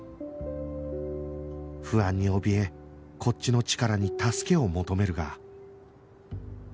不安におびえこっちのチカラに助けを求めるが